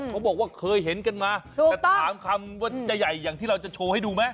บอกว่าเคยเห็นกันมาแต่ถามคำว่าจะใหญ่อย่างที่เราจะโชว์ให้ดูไหม